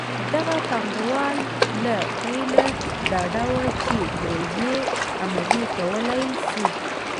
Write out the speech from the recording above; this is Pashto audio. دغه پانګوال له پیله ډاډه وو چې پروژې عملي کولی شي.